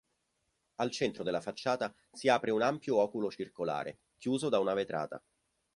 Al centro della facciata si apre un ampio oculo circolare, chiuso da una vetrata.